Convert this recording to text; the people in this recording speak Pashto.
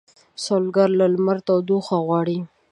سوالګر له لمر تودوخه غواړي